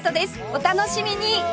お楽しみに！